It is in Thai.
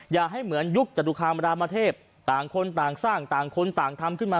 อย่าให้เหมือนยุคจตุคามรามเทพต่างคนต่างสร้างต่างคนต่างทำขึ้นมา